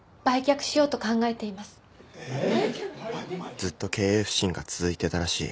ずっと経営不振が続いてたらしい。